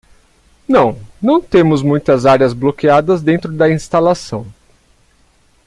Não, não temos muitas áreas bloqueadas dentro da instalação.